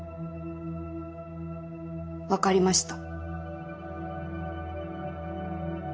分かりました。